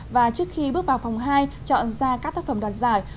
và trước khi bước vào phòng hai chọn ra các tác phẩm đoạt giải